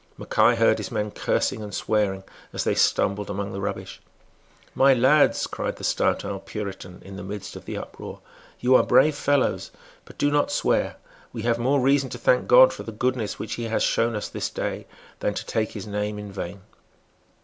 Mackay heard his men cursing and swearing as they stumbled among the rubbish. "My lads," cried the stout old Puritan in the midst of the uproar, "you are brave fellows; but do not swear. We have more reason to thank God for the goodness which He has shown us this day than to take His name in vain."